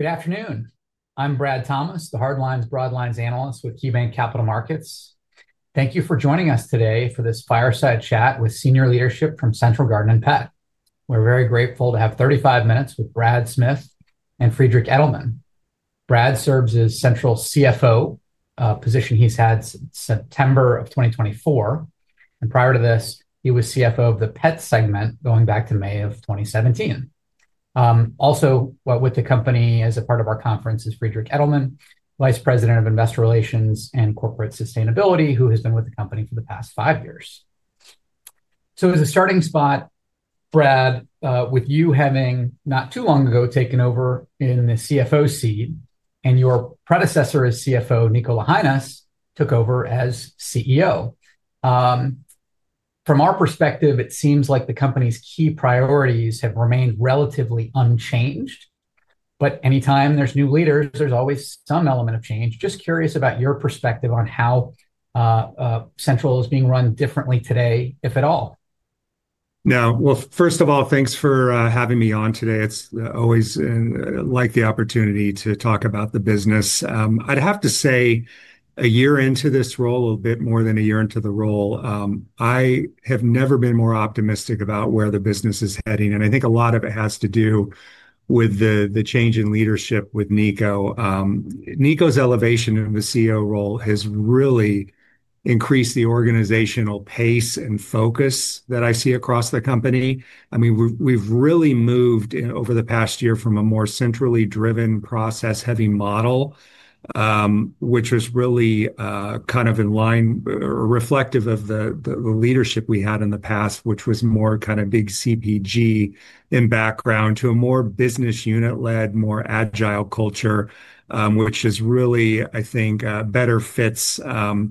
Good afternoon. I'm Brad Thomas, the Hardlines, Broadlines Analyst with KeyBanc Capital Markets. Thank you for joining us today for this fireside chat with Senior Leadership from Central Garden & Pet. We're very grateful to have 35 minutes with Brad Smith and Friederike Edelmann. Brad serves as Central CFO, a position he's had since September of 2024. And prior to this, he was CFO of the Pet segment going back to May of 2017. Also, with the company as a part of our conference is Friederike Edelmann, Vice President of Investor Relations and Corporate Sustainability, who has been with the company for the past five years. As a starting spot, Brad, with you having not too long ago taken over in the CFO seat and your predecessor as CFO, Niko Lahanas, took over as CEO. From our perspective, it seems like the company's key priorities have remained relatively unchanged, but anytime there's new leaders, there's always some element of change. Just curious about your perspective on how Central is being run differently today, if at all. No. Well, first of all, thanks for having me on today. It's always like the opportunity to talk about the business. I'd have to say a year into this role, a bit more than a year into the role, I have never been more optimistic about where the business is heading. And I think a lot of it has to do with the change in leadership with Niko. Niko's elevation to the CEO role has really increased the organizational pace and focus that I see across the company. I mean, we've really moved over the past year from a more centrally driven process-heavy model, which was really kind of in line or reflective of the leadership we had in the past, which was more kind of big CPG in background to a more business unit-led, more agile culture, which has really, I think, better fits the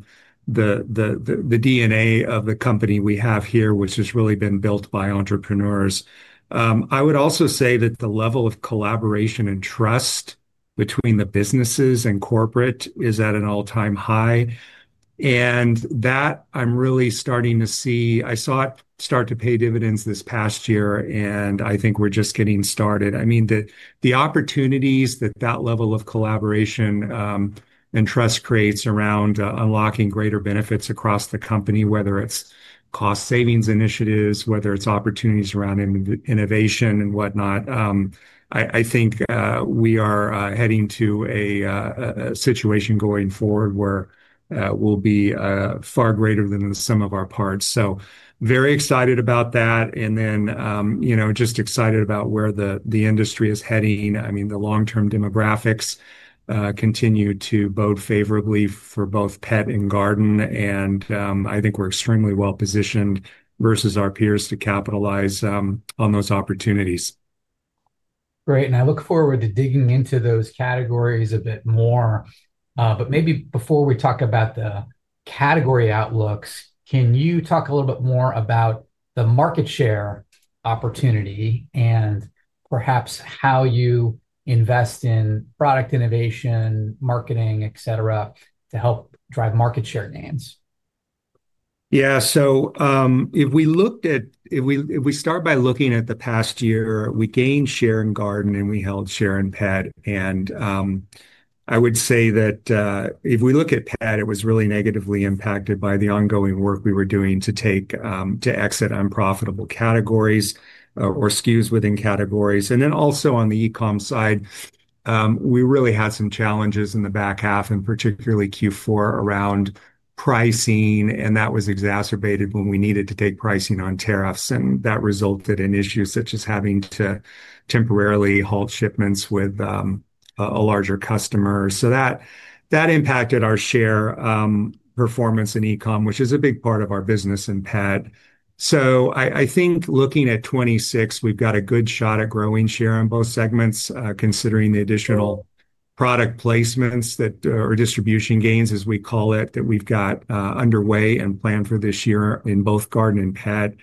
DNA of the company we have here, which has really been built by entrepreneurs. I would also say that the level of collaboration and trust between the businesses and corporate is at an all-time high, and that I'm really starting to see. I saw it start to pay dividends this past year, and I think we're just getting started. I mean, the opportunities that that level of collaboration and trust creates around unlocking greater benefits across the company, whether it's cost savings initiatives, whether it's opportunities around innovation and whatnot, I think we are heading to a situation going forward where we'll be far greater than the sum of our parts. So very excited about that. And then just excited about where the industry is heading. I mean, the long-term demographics continue to bode favorably for both pet and garden. And I think we're extremely well positioned versus our peers to capitalize on those opportunities. Great. And I look forward to digging into those categories a bit more. But maybe before we talk about the category outlooks, can you talk a little bit more about the market share opportunity and perhaps how you invest in product innovation, marketing, etc., to help drive market share gains? Yeah. So if we start by looking at the past year, we gained share in garden, and we held share in pet. And I would say that if we look at pet, it was really negatively impacted by the ongoing work we were doing to exit unprofitable categories or SKUs within categories. And then also on the e-com side, we really had some challenges in the back half, and particularly Q4 around pricing. And that was exacerbated when we needed to take pricing on tariffs. And that resulted in issues such as having to temporarily halt shipments with a larger customer. So that impacted our share performance in e-com, which is a big part of our business in pet. So I think looking at 2026, we've got a good shot at growing share in both segments, considering the additional product placements or distribution gains, as we call it, that we've got underway and planned for this year in both Garden and Pet.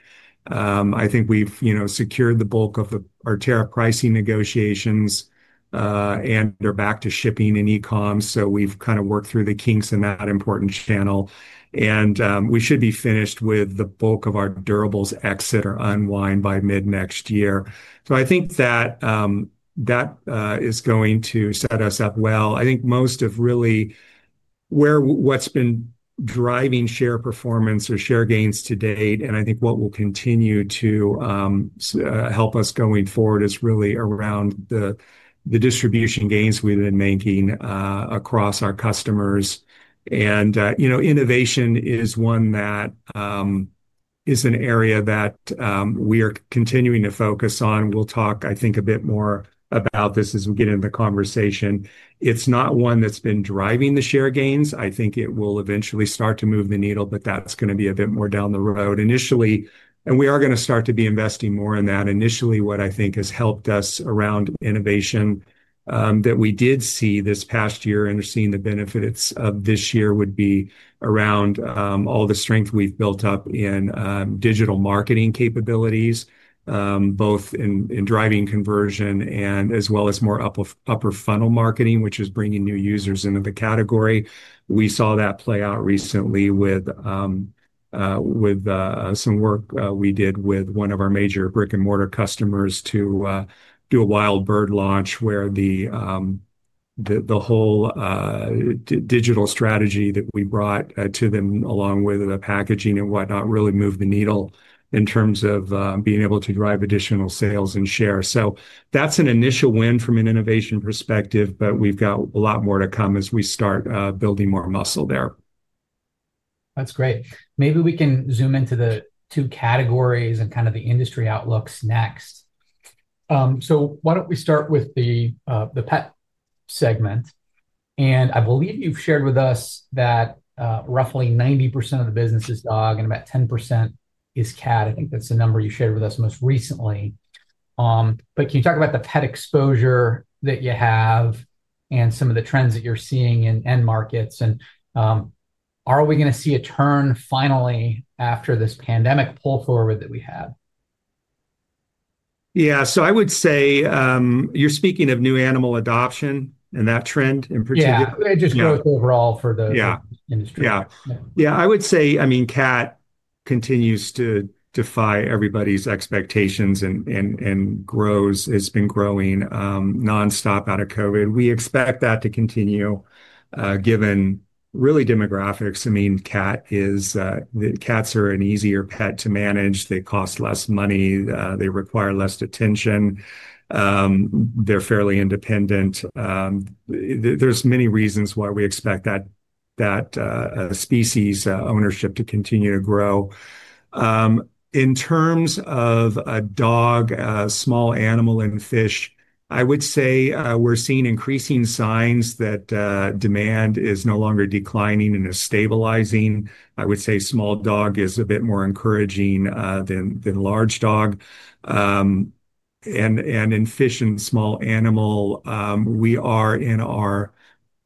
I think we've secured the bulk of our tariff pricing negotiations and are back to shipping and e-com. So we've kind of worked through the kinks in that important channel. And we should be finished with the bulk of our durables exit or unwind by mid next year. So I think that that is going to set us up well. I think most of really what's been driving share performance or share gains to date, and I think what will continue to help us going forward is really around the distribution gains we've been making across our customers. And innovation is one that is an area that we are continuing to focus on. We'll talk, I think, a bit more about this as we get into the conversation. It's not one that's been driving the share gains. I think it will eventually start to move the needle, but that's going to be a bit more down the road. And we are going to start to be investing more in that. Initially, what I think has helped us around innovation that we did see this past year and are seeing the benefits of this year would be around all the strength we've built up in digital marketing capabilities, both in driving conversion and as well as more upper funnel marketing, which is bringing new users into the category. We saw that play out recently with some work we did with one of our major brick-and-mortar customers to do a wild bird launch where the whole digital strategy that we brought to them along with the packaging and whatnot really moved the needle in terms of being able to drive additional sales and share. So that's an initial win from an innovation perspective, but we've got a lot more to come as we start building more muscle there. That's great. Maybe we can zoom into the two categories and kind of the industry outlooks next. So why don't we start with the pet segment? And I believe you've shared with us that roughly 90% of the business is dog and about 10% is cat. I think that's the number you shared with us most recently. But can you talk about the pet exposure that you have and some of the trends that you're seeing in end markets? And are we going to see a turn finally after this pandemic pull forward that we have? Yeah, so I would say you're speaking of new animal adoption and that trend in particular? Yeah. Just growth overall for the industry. Yeah. Yeah. I would say, I mean, cat continues to defy everybody's expectations and has been growing nonstop out of COVID. We expect that to continue given really demographics. I mean, cats are an easier pet to manage. They cost less money. They require less attention. They're fairly independent. There's many reasons why we expect that species ownership to continue to grow. In terms of a dog, a small animal and fish, I would say we're seeing increasing signs that demand is no longer declining and is stabilizing. I would say small dog is a bit more encouraging than large dog, and in fish and small animal, we are in our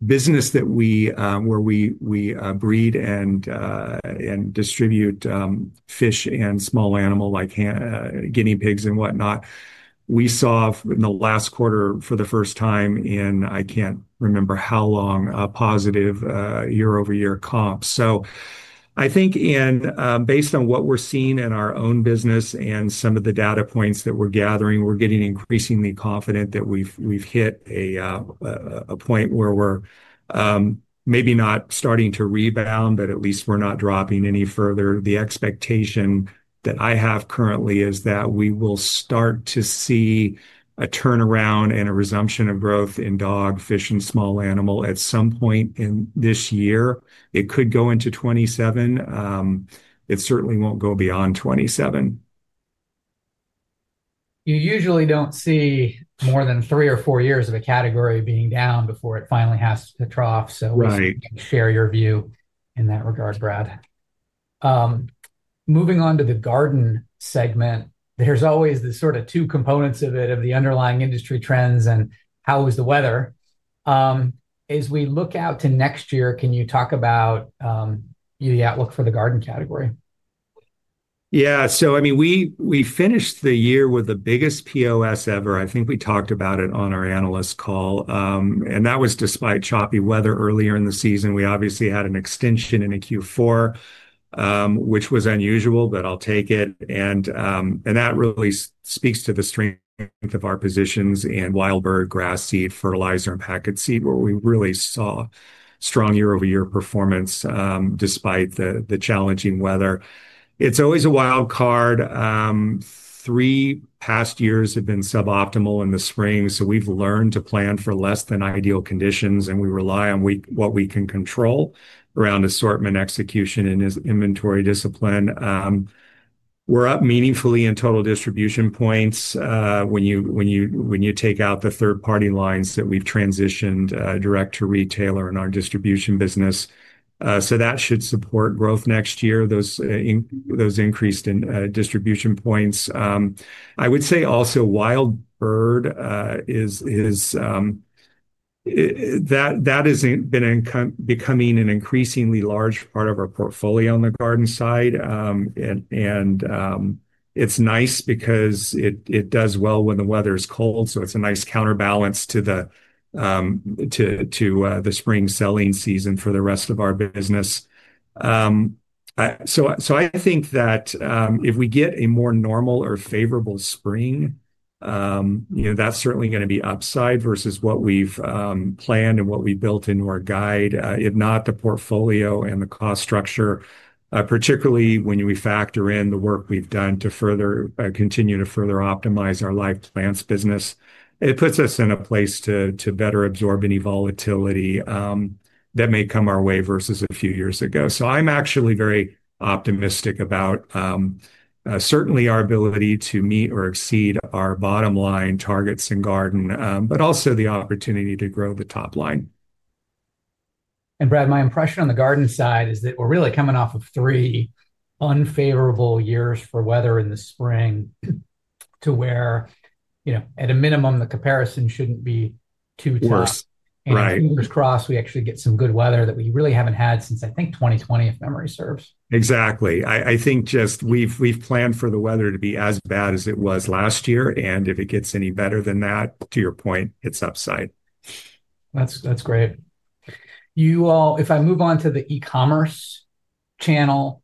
business where we breed and distribute fish and small animal like guinea pigs and whatnot. We saw in the last quarter for the first time in, I can't remember how long, a positive year-over-year comp. So I think based on what we're seeing in our own business and some of the data points that we're gathering, we're getting increasingly confident that we've hit a point where we're maybe not starting to rebound, but at least we're not dropping any further. The expectation that I have currently is that we will start to see a turnaround and a resumption of growth in dog, fish, and small animal at some point in this year. It could go into 2027. It certainly won't go beyond 2027. You usually don't see more than three or four years of a category being down before it finally has to trough. So we can share your view in that regard, Brad. Moving on to the garden segment, there's always the sort of two components of it, of the underlying industry trends and how is the weather. As we look out to next year, can you talk about the outlook for the garden category? Yeah, so I mean, we finished the year with the biggest POS ever. I think we talked about it on our analyst call, and that was despite choppy weather earlier in the season. We obviously had an extension in Q4, which was unusual, but I'll take it, and that really speaks to the strength of our positions in wild bird, grass seed, fertilizer, and packet seed, where we really saw strong year-over-year performance despite the challenging weather. It's always a wild card. Three past years have been suboptimal in the spring, so we've learned to plan for less than ideal conditions, and we rely on what we can control around assortment execution and inventory discipline. We're up meaningfully in total distribution points when you take out the third-party lines that we've transitioned direct to retailer in our distribution business. So that should support growth next year, those increases in distribution points. I would say also wild bird, that has been becoming an increasingly large part of our portfolio on the garden side. And it's nice because it does well when the weather is cold. So it's a nice counterbalance to the spring selling season for the rest of our business. So I think that if we get a more normal or favorable spring, that's certainly going to be upside versus what we've planned and what we built into our guide. If not, the portfolio and the cost structure, particularly when we factor in the work we've done to continue to further optimize our live plants business, it puts us in a place to better absorb any volatility that may come our way versus a few years ago. So I'm actually very optimistic about certainly our ability to meet or exceed our bottom line targets in garden, but also the opportunity to grow the top line. Brad, my impression on the garden side is that we're really coming off of three unfavorable years for weather in the spring to where, at a minimum, the comparison shouldn't be too tough. Fingers crossed, we actually get some good weather that we really haven't had since, I think, 2020, if memory serves. Exactly. I think just we've planned for the weather to be as bad as it was last year, and if it gets any better than that, to your point, it's upside. That's great. If I move on to the e-commerce channel,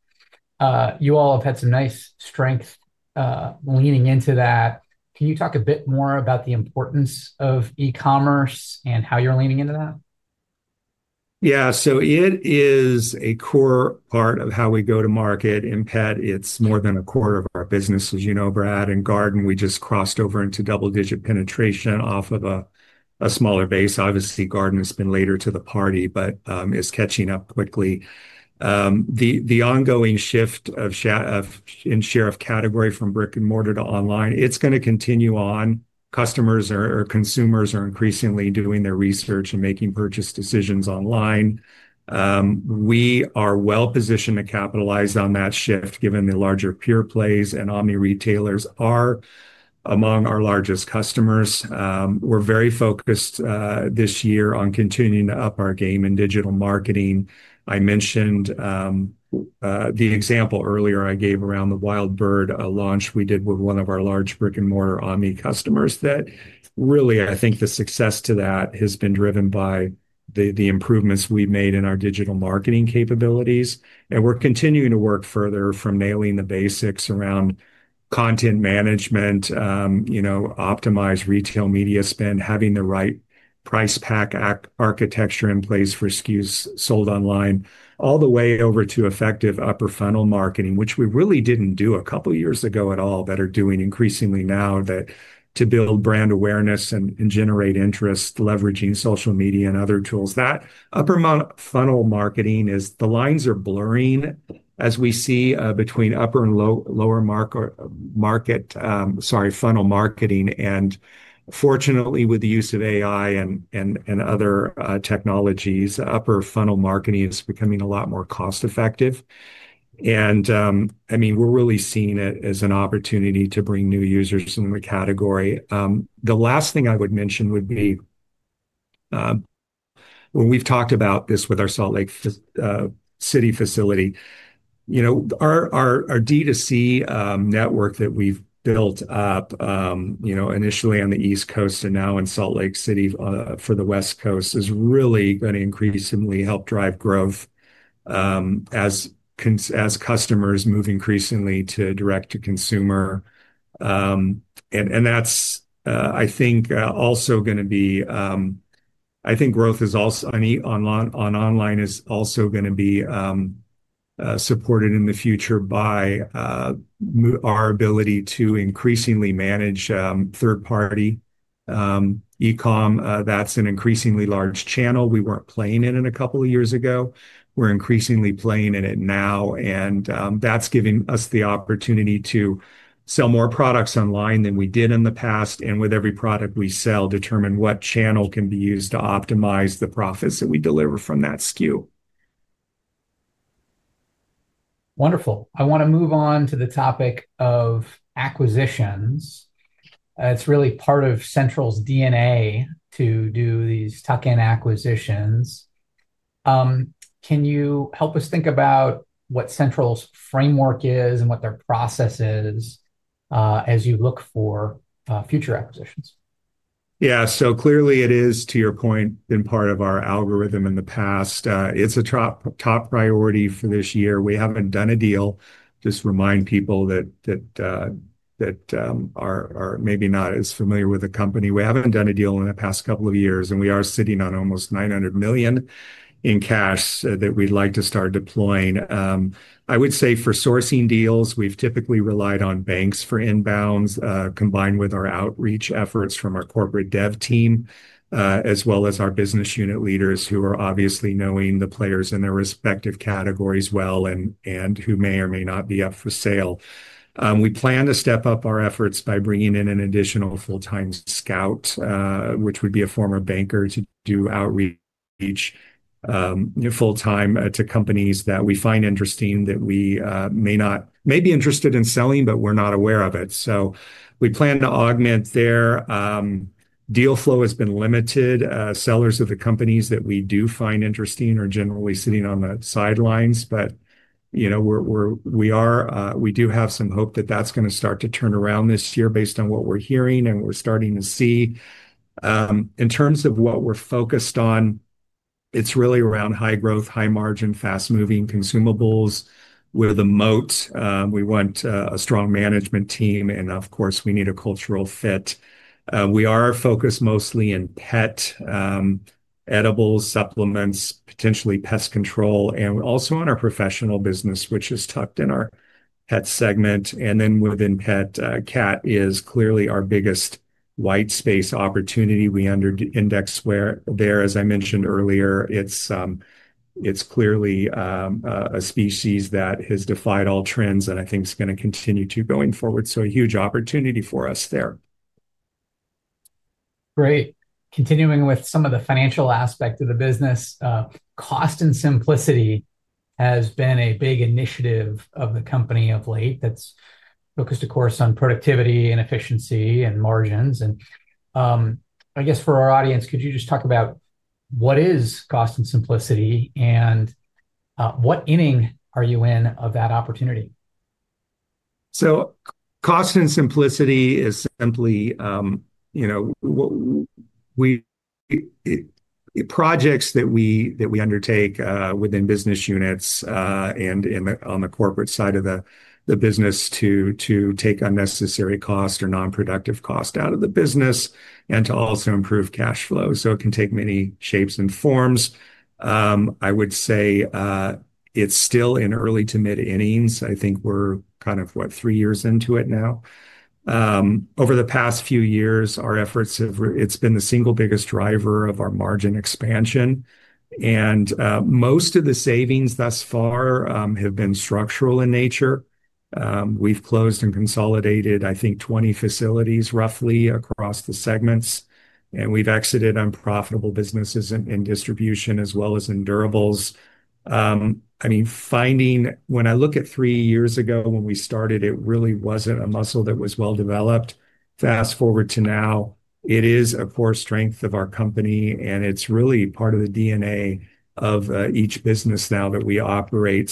you all have had some nice strengths leaning into that. Can you talk a bit more about the importance of e-commerce and how you're leaning into that? Yeah. So it is a core part of how we go to market in pet. It's more than a quarter of our business, as you know, Brad. And garden, we just crossed over into double-digit penetration off of a smaller base. Obviously, garden has been later to the party, but it's catching up quickly. The ongoing shift in share of category from brick-and-mortar to online, it's going to continue on. Customers or consumers are increasingly doing their research and making purchase decisions online. We are well positioned to capitalize on that shift given the larger pure plays and omni retailers are among our largest customers. We're very focused this year on continuing to up our game in digital marketing. I mentioned the example earlier I gave around the wild bird launch we did with one of our large brick-and-mortar omni customers that really, I think the success to that has been driven by the improvements we've made in our digital marketing capabilities. And we're continuing to work further from nailing the basics around content management, optimize retail media spend, having the right price pack architecture in place for SKUs sold online, all the way over to effective upper funnel marketing, which we really didn't do a couple of years ago at all, better doing increasingly now to build brand awareness and generate interest leveraging social media and other tools. That upper funnel marketing is the lines are blurring as we see between upper and lower market, sorry, funnel marketing. And fortunately, with the use of AI and other technologies, upper funnel marketing is becoming a lot more cost-effective. And I mean, we're really seeing it as an opportunity to bring new users in the category. The last thing I would mention would be when we've talked about this with our Salt Lake City facility, our D2C network that we've built up initially on the East Coast and now in Salt Lake City for the West Coast is really going to increasingly help drive growth as customers move increasingly to direct-to-consumer. And that's, I think, also going to be. I think growth on online is also going to be supported in the future by our ability to increasingly manage third-party e-com. That's an increasingly large channel. We weren't playing in it a couple of years ago. We're increasingly playing in it now. And that's giving us the opportunity to sell more products online than we did in the past. And with every product we sell, determine what channel can be used to optimize the profits that we deliver from that SKU. Wonderful. I want to move on to the topic of acquisitions. It's really part of Central's DNA to do these tuck-in acquisitions. Can you help us think about what Central's framework is and what their process is as you look for future acquisitions? Yeah. So clearly, it is, to your point, been part of our algorithm in the past. It's a top priority for this year. We haven't done a deal. Just remind people that maybe not as familiar with the company. We haven't done a deal in the past couple of years. And we are sitting on almost $900 million in cash that we'd like to start deploying. I would say for sourcing deals, we've typically relied on banks for inbounds combined with our outreach efforts from our corporate dev team as well as our business unit leaders who are obviously knowing the players in their respective categories well and who may or may not be up for sale. We plan to step up our efforts by bringing in an additional full-time scout, which would be a former banker to do outreach full-time to companies that we find interesting that we may be interested in selling, but we're not aware of it, so we plan to augment there. Deal flow has been limited. Sellers of the companies that we do find interesting are generally sitting on the sidelines, but we do have some hope that that's going to start to turn around this year based on what we're hearing and we're starting to see. In terms of what we're focused on, it's really around high growth, high margin, fast-moving consumables with a moat. We want a strong management team, and of course, we need a cultural fit. We are focused mostly in pet, edibles, supplements, potentially pest control, and also on our professional business, which is tucked in our pet segment. And then within pet, cat is clearly our biggest white space opportunity. We under index there. As I mentioned earlier, it's clearly a species that has defied all trends and I think it's going to continue to go forward. So a huge opportunity for us there. Great. Continuing with some of the financial aspect of the business, cost and simplicity has been a big initiative of the company of late that's focused, of course, on productivity and efficiency and margins. And I guess for our audience, could you just talk about what is cost and simplicity and what inning are you in of that opportunity? So cost and simplicity is simply projects that we undertake within business units and on the corporate side of the business to take unnecessary cost or non-productive cost out of the business and to also improve cash flow. So it can take many shapes and forms. I would say it's still in early to mid-innings. I think we're kind of, what, three years into it now. Over the past few years, our efforts. It's been the single biggest driver of our margin expansion. And most of the savings thus far have been structural in nature. We've closed and consolidated, I think, 20 facilities roughly across the segments. And we've exited unprofitable businesses in distribution as well as in durables. I mean, when I look at three years ago when we started, it really wasn't a muscle that was well developed. Fast forward to now, it is, of course, strength of our company. It's really part of the DNA of each business now that we operate,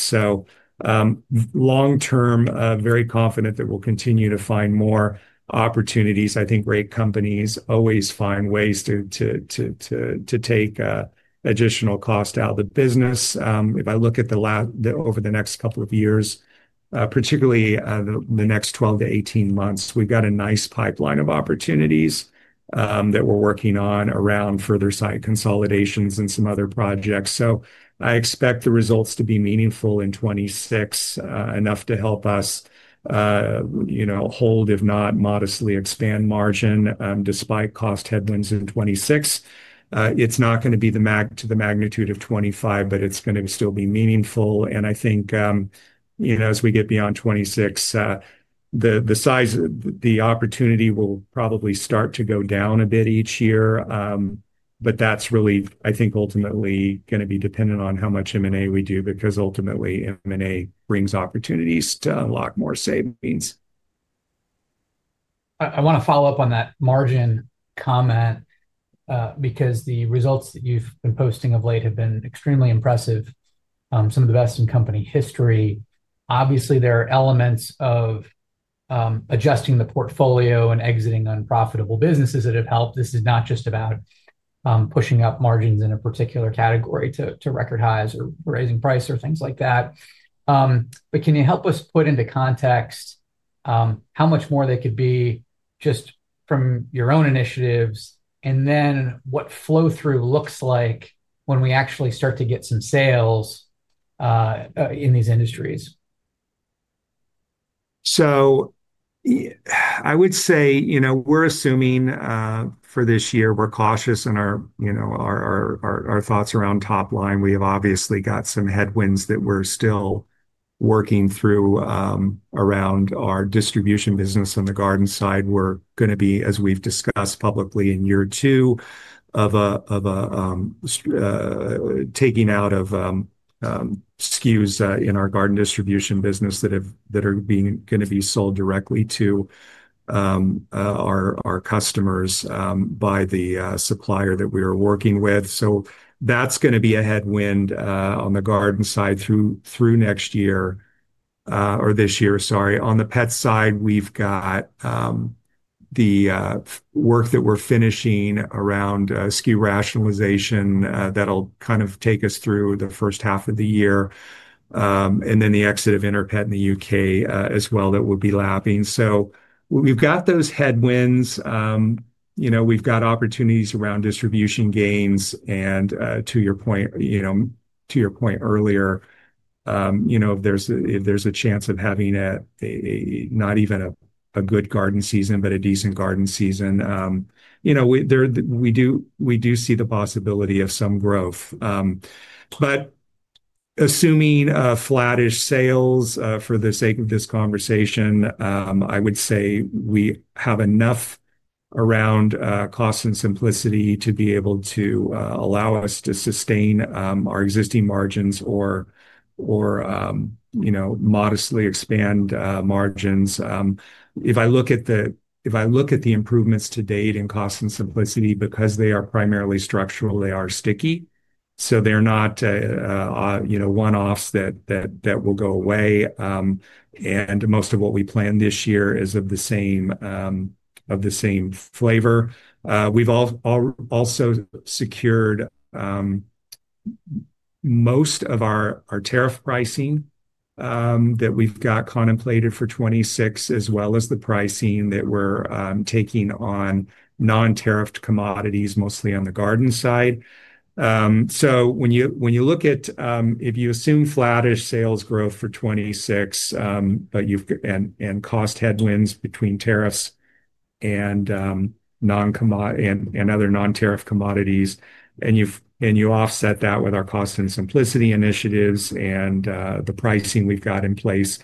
so long-term, very confident that we'll continue to find more opportunities. I think great companies always find ways to take additional cost out of the business. If I look over the next couple of years, particularly the next 12-18 months, we've got a nice pipeline of opportunities that we're working on around further site consolidations and some other projects. I expect the results to be meaningful in 2026 enough to help us hold, if not modestly expand margin despite cost headwinds in 2026. It's not going to be to the magnitude of 2025, but it's going to still be meaningful. I think as we get beyond 2026, the opportunity will probably start to go down a bit each year. But that's really, I think, ultimately going to be dependent on how much M&A we do because ultimately M&A brings opportunities to unlock more savings. I want to follow up on that margin comment because the results that you've been posting of late have been extremely impressive, some of the best in company history. Obviously, there are elements of adjusting the portfolio and exiting unprofitable businesses that have helped. This is not just about pushing up margins in a particular category to record highs or raising price or things like that. But can you help us put into context how much more they could be just from your own initiatives and then what flow-through looks like when we actually start to get some sales in these industries? So I would say we're assuming for this year, we're cautious in our thoughts around top line. We have obviously got some headwinds that we're still working through around our distribution business on the garden side. We're going to be, as we've discussed publicly in year two, taking out of SKUs in our garden distribution business that are going to be sold directly to our customers by the supplier that we are working with. So that's going to be a headwind on the garden side through next year or this year, sorry. On the pet side, we've got the work that we're finishing around SKU rationalization that'll kind of take us through the first half of the year and then the exit of Interpet in the U.K. as well that will be lapping. So we've got those headwinds. We've got opportunities around distribution gains. And to your point, to your point earlier, if there's a chance of having not even a good garden season, but a decent garden season, we do see the possibility of some growth. But assuming flattish sales for the sake of this conversation, I would say we have enough around cost and simplicity to be able to allow us to sustain our existing margins or modestly expand margins. If I look at the improvements to date in cost and simplicity, because they are primarily structural, they are sticky. So they're not one-offs that will go away. And most of what we planned this year is of the same flavor. We've also secured most of our tariff pricing that we've got contemplated for 2026, as well as the pricing that we're taking on non-tariffed commodities, mostly on the garden side. So when you look at, if you assume flattish sales growth for 2026 and cost headwinds between tariffs and other non-tariff commodities, and you offset that with our cost and simplicity initiatives and the pricing we've got in place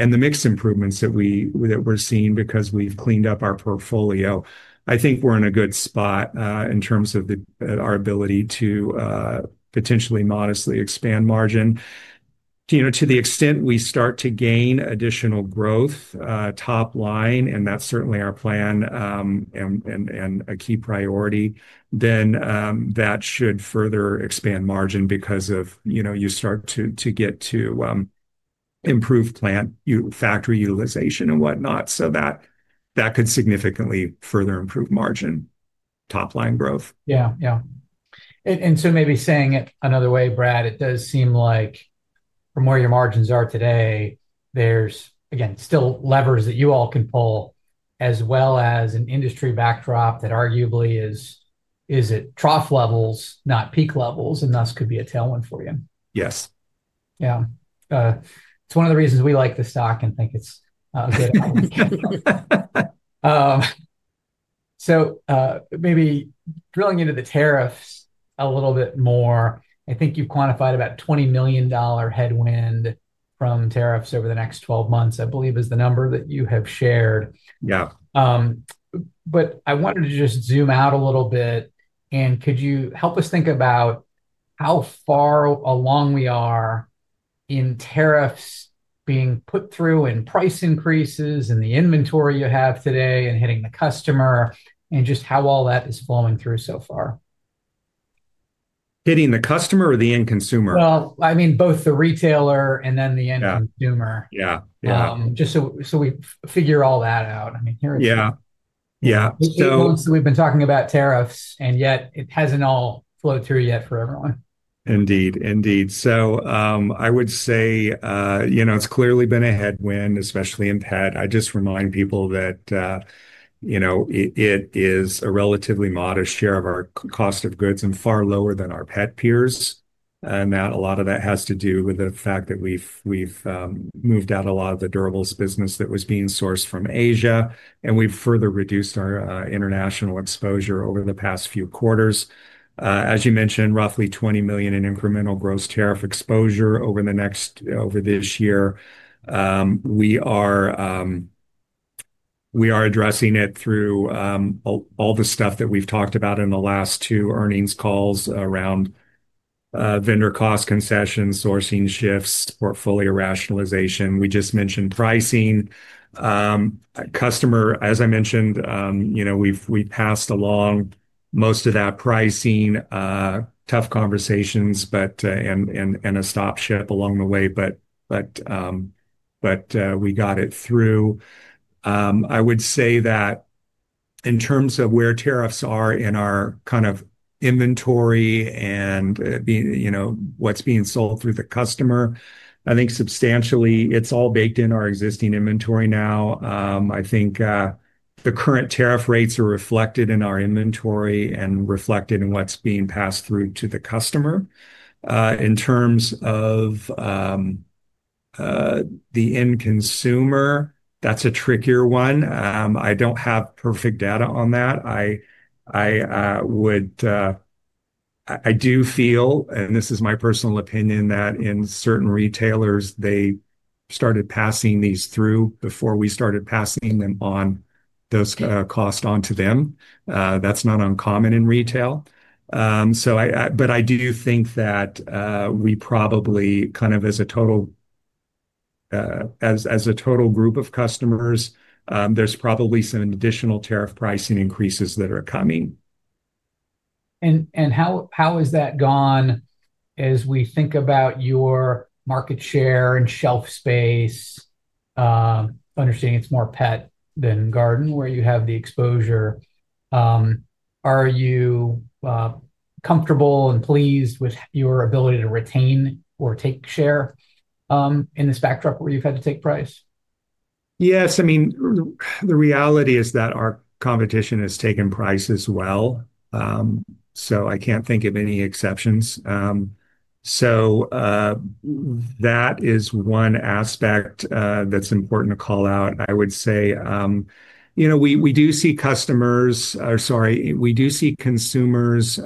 and the mixed improvements that we're seeing because we've cleaned up our portfolio, I think we're in a good spot in terms of our ability to potentially modestly expand margin. To the extent we start to gain additional growth top line, and that's certainly our plan and a key priority, then that should further expand margin because you start to get to improve factory utilization and whatnot. So that could significantly further improve margin top line growth. And so maybe saying it another way, Brad, it does seem like from where your margins are today, there's, again, still levers that you all can pull as well as an industry backdrop that arguably is at trough levels, not peak levels, and thus could be a tailwind for you. Yes. Yeah. It's one of the reasons we like the stock and think it's good. So maybe drilling into the tariffs a little bit more, I think you've quantified about $20 million headwind from tariffs over the next 12 months, I believe, is the number that you have shared. Yeah. But I wanted to just zoom out a little bit. And could you help us think about how far along we are in tariffs being put through and price increases and the inventory you have today and hitting the customer and just how all that is flowing through so far? Hitting the customer or the end consumer? I mean, both the retailer and then the end consumer. Yeah. Yeah. Just so we figure all that out. I mean, here it is. Yeah. Yeah. We've been talking about tariffs, and yet it hasn't all flowed through yet for everyone. Indeed. Indeed. So I would say it's clearly been a headwind, especially in pet. I just remind people that it is a relatively modest share of our cost of goods and far lower than our pet peers. And a lot of that has to do with the fact that we've moved out a lot of the durables business that was being sourced from Asia. And we've further reduced our international exposure over the past few quarters. As you mentioned, roughly $20 million in incremental gross tariff exposure over this year. We are addressing it through all the stuff that we've talked about in the last two earnings calls around vendor cost concessions, sourcing shifts, portfolio rationalization. We just mentioned pricing. Customers, as I mentioned, we passed along most of that pricing, tough conversations, and a stop ship along the way. But we got it through. I would say that in terms of where tariffs are in our kind of inventory and what's being sold through the customer, I think substantially it's all baked in our existing inventory now. I think the current tariff rates are reflected in our inventory and reflected in what's being passed through to the customer. In terms of the end consumer, that's a trickier one. I don't have perfect data on that. I do feel, and this is my personal opinion, that in certain retailers, they started passing these through before we started passing them on those costs onto them. That's not uncommon in retail, but I do think that we probably kind of as a total group of customers, there's probably some additional tariff pricing increases that are coming. How has that gone as we think about your market share and shelf space, understanding it's more pet than garden where you have the exposure? Are you comfortable and pleased with your ability to retain or take share in the spectrum where you've had to take price? Yes. I mean, the reality is that our competition has taken price as well. So I can't think of any exceptions. So that is one aspect that's important to call out. I would say we do see customers or sorry, we do see consumers,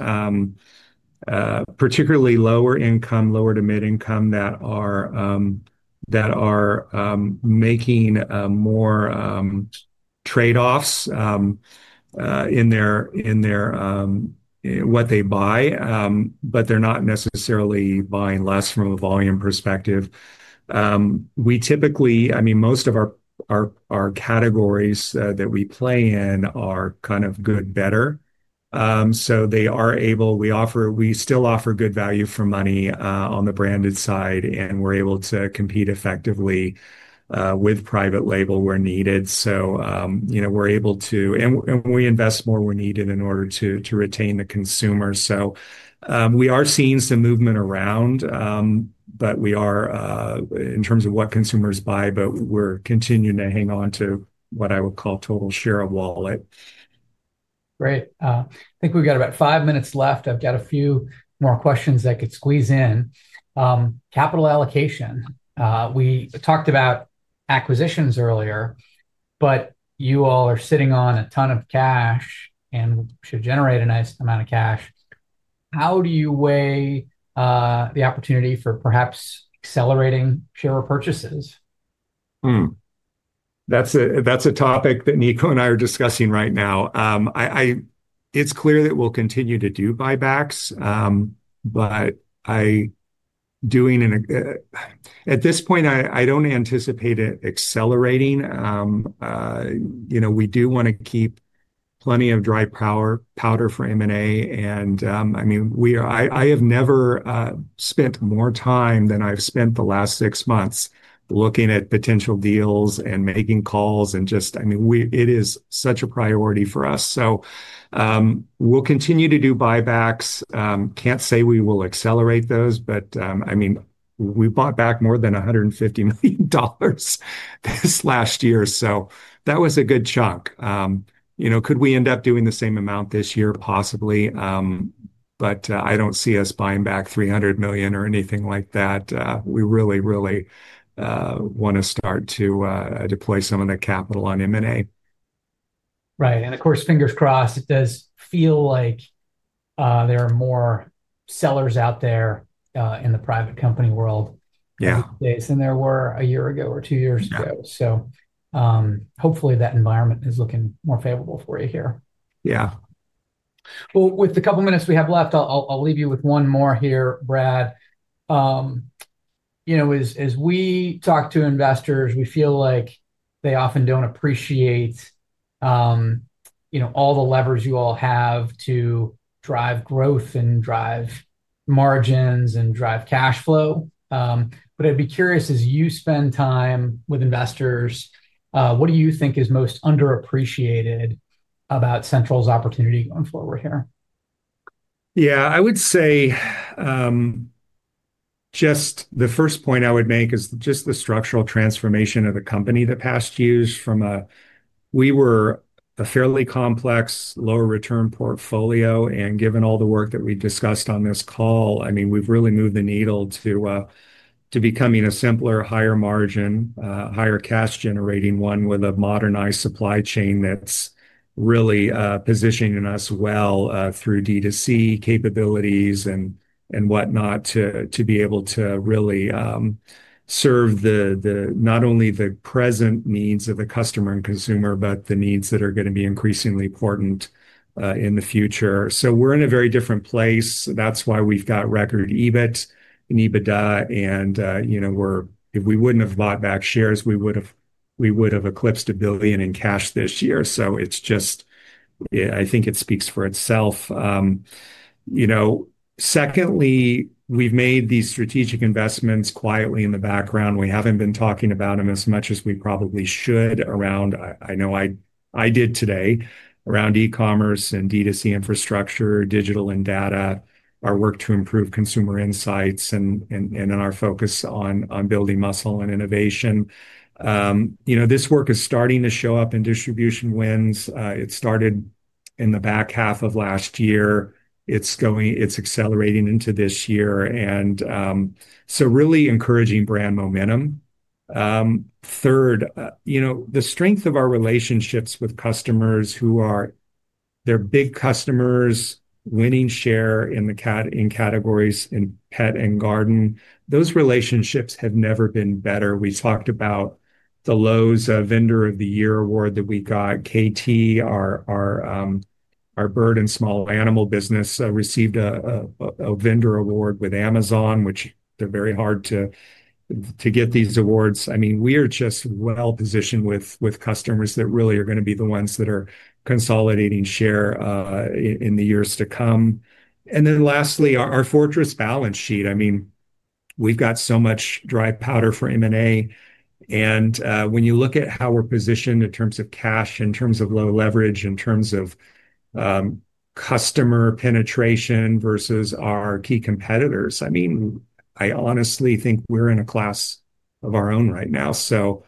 particularly lower income, lower to mid-income that are making more trade-offs in what they buy, but they're not necessarily buying less from a volume perspective. I mean, most of our categories that we play in are kind of good, better. So we still offer good value for money on the branded side, and we're able to compete effectively with private label where needed. So we're able to, and we invest more where needed in order to retain the consumer. So we are seeing some movement around, but in terms of what consumers buy, we're continuing to hang on to what I would call total share of wallet. Great. I think we've got about five minutes left. I've got a few more questions that could squeeze in. Capital allocation. We talked about acquisitions earlier, but you all are sitting on a ton of cash and should generate a nice amount of cash. How do you weigh the opportunity for perhaps accelerating share purchases? That's a topic that Niko and I are discussing right now. It's clear that we'll continue to do buybacks, but at this point, I don't anticipate it accelerating. We do want to keep plenty of dry powder for M&A. And I mean, I have never spent more time than I've spent the last six months looking at potential deals and making calls and just, I mean, it is such a priority for us. So we'll continue to do buybacks. Can't say we will accelerate those, but I mean, we bought back more than $150 million this last year. So that was a good chunk. Could we end up doing the same amount this year? Possibly. But I don't see us buying back $300 million or anything like that. We really, really want to start to deploy some of that capital on M&A. Right. And of course, fingers crossed, it does feel like there are more sellers out there in the private company world these days than there were a year ago or two years ago. So hopefully that environment is looking more favorable for you here. Yeah. Well, with the couple of minutes we have left, I'll leave you with one more here, Brad. As we talk to investors, we feel like they often don't appreciate all the levers you all have to drive growth and drive margins and drive cash flow. But I'd be curious, as you spend time with investors, what do you think is most underappreciated about Central's opportunity going forward here? Yeah. I would say just the first point I would make is just the structural transformation of the company the past years from a we were a fairly complex, low-return portfolio. And given all the work that we've discussed on this call, I mean, we've really moved the needle to becoming a simpler, higher margin, higher cash-generating one with a modernized supply chain that's really positioning us well through D2C capabilities and whatnot to be able to really serve not only the present needs of the customer and consumer, but the needs that are going to be increasingly important in the future. So we're in a very different place. That's why we've got record EBIT and EBITDA. And if we wouldn't have bought back shares, we would have eclipsed $1 billion in cash this year. So I think it speaks for itself. Secondly, we've made these strategic investments quietly in the background. We haven't been talking about them as much as we probably should around, I know I did today, around e-commerce and D2C infrastructure, digital and data, our work to improve consumer insights and our focus on building muscle and innovation. This work is starting to show up in distribution wins. It started in the back half of last year. It's accelerating into this year. And so really encouraging brand momentum. Third, the strength of our relationships with customers who are their big customers, winning share in categories in pet and garden, those relationships have never been better. We talked about the Lowe's Vendor of the Year award that we got. Kaytee, our bird and small animal business, received a vendor award with Amazon, which they're very hard to get these awards. I mean, we are just well-positioned with customers that really are going to be the ones that are consolidating share in the years to come, and then lastly, our fortress balance sheet. I mean, we've got so much dry powder for M&A, and when you look at how we're positioned in terms of cash, in terms of low leverage, in terms of customer penetration versus our key competitors, I mean, I honestly think we're in a class of our own right now, so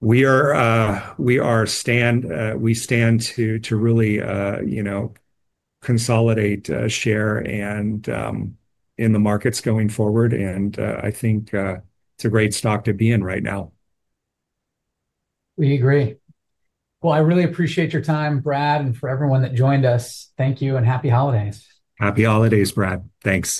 we stand to really consolidate share in the markets going forward, and I think it's a great stock to be in right now. We agree. Well, I really appreciate your time, Brad, and for everyone that joined us. Thank you and happy holidays. Happy holidays, Brad. Thanks.